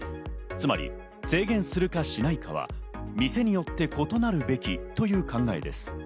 つまり制限するかしないかは店によって異なるべきという考えです。